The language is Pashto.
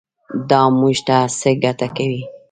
دا موږ ته څه ګټه کوي.